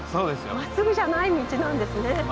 まっすぐじゃないんです。